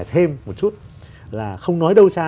thêm một chút là không nói đâu xa